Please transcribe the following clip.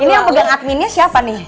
ini yang pegang adminnya siapa nih